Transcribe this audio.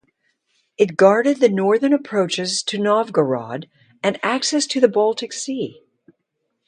It guarded the northern approaches to Novgorod and access to the Baltic Sea.